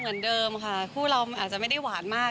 เหมือนเดิมค่ะคู่เรามันอาจจะไม่ได้หวานมาก